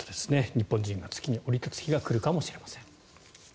日本人が月に降り立つ日が来るかもしれません。